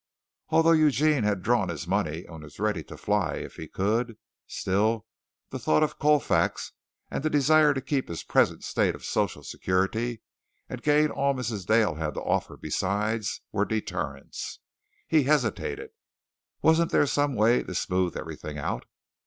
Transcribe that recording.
Although Eugene had drawn his money and was ready to fly if he could, still the thought of Colfax and the desire to keep his present state of social security and gain all Mrs. Dale had to offer besides were deterrents. He hesitated. Wasn't there some way to smooth everything out?